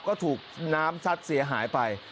ก็ถูกน้ำซัดเสียหายไป